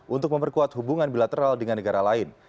untuk memperkuat hubungan bilateral dengan negara lain